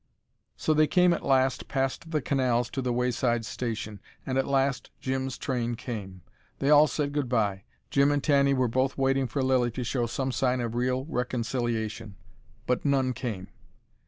So they came at last past the canals to the wayside station: and at last Jim's train came. They all said goodbye. Jim and Tanny were both waiting for Lilly to show some sign of real reconciliation. But none came.